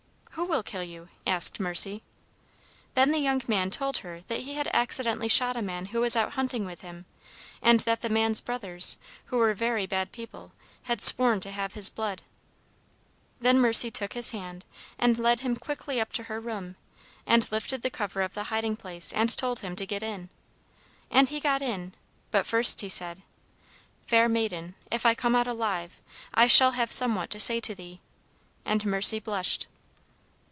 "'Who will kill you?' asked Mercy. "Then the young man told her that he had accidentally shot a man who was out hunting with him, and that the man's brothers, who were very bad people, had sworn to have his blood. "Then Mercy took his hand, and led him quickly up to her room, and lifted the cover of the hiding place, and told him to get in. And he got in, but first he said, 'Fair maiden, if I come out alive, I shall have somewhat to say to thee.' And Mercy blushed."